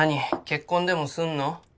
結婚でもすんの？